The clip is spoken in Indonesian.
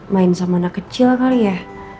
main sama anak kecil kali ya